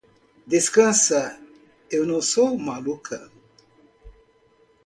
Descansa; eu não sou maluca.